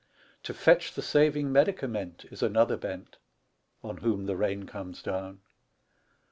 To fetch the saving medicament Is another bent, On whom the rain comes down.